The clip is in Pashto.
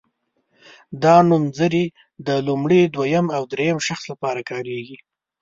دا نومځري د لومړي دویم او دریم شخص لپاره کاریږي.